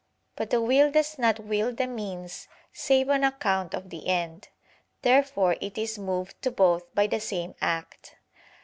But the will does not will the means save on account of the end. Therefore it is moved to both by the same act.